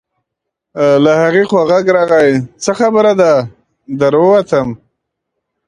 له هغې خوا غږ راغی: څه خبره ده، در ووتم.